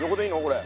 これ。